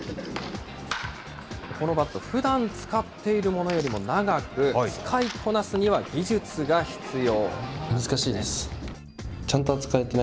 このバット、ふだん使っているものよりも長く、使いこなすには技術が必要。